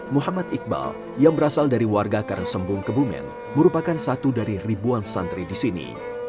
muhammad iqbal yang berasal dari warga karangsembung kebumen merupakan satu dari ribuan santri di sini